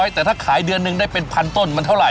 แต่ถ้าขายเดือนหนึ่งได้เป็นพันต้นมันเท่าไ